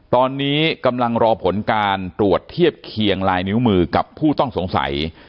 ตอนนี้กำลังรอผลการตรวจเทียบเคียงลายนิ้วมือกับผู้ต้องสงสัย